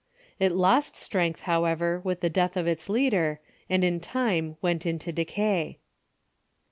It lost strength, however, with the death of its leader, and in time went into decay.